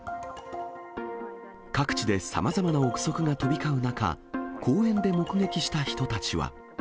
各地でさまざまな臆測が飛び交う中、公園で目撃した人たちは。